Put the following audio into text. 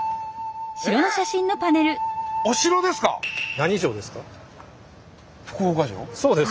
何城ですか？